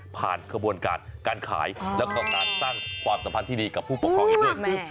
ผ่านกระบวนการการขายและการสร้างความสัมพันธ์ที่ดีกับผู้ปกครองอีกด้วย